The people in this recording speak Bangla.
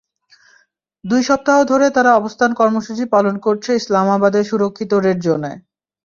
দুই সপ্তাহ ধরে তারা অবস্থান কর্মসূচি পালন করছে ইসলামাবাদের সুরক্ষিত রেড জোনে।